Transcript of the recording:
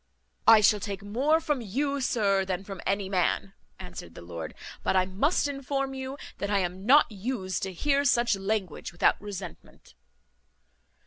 "I shall take more from you, sir, than from any man," answered the lord; "but I must inform you that I am not used to hear such language without resentment."